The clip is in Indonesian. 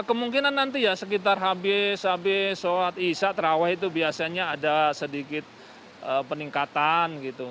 kemungkinan nanti ya sekitar habis habis sholat isya terawih itu biasanya ada sedikit peningkatan gitu